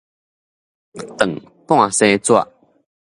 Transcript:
斷半紗縒